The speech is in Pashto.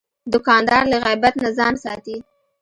دوکاندار له غیبت نه ځان ساتي.